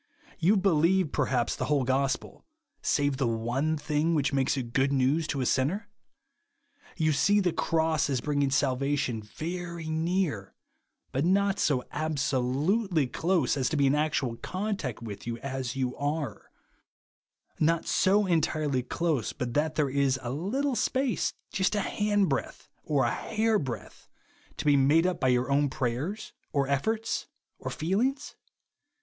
You be lieve perhaps the whole gospel, save the one thing which maks it good news to a sinner ? You see the cross as brino^insf sal vation very near ; but not so absolutely close as to be in actual contact with you as you are ; not so entirely close but that there is a little space, just a handbreadth or a hairbreadth, to be made up by your own prayers, or efforts, or feelings